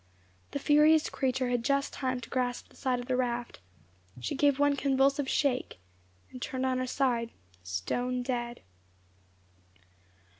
The furious creature had just time to grasp the side of the raft; she gave one convulsive shake, and turned on her side, stone dead.